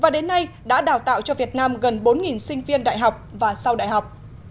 hay đã đào tạo cho việt nam gần bốn sinh viên đại học và sau đại học